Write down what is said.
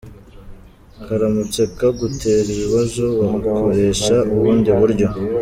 Karamutse kagutera ibibazo wakoresha ubundi buryo.